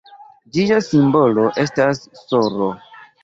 Ĝia simbolo estas sr.